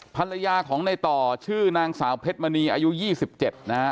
ภรรยาของในต่อชื่อนางสาวเพชรมณีอายุ๒๗นะฮะ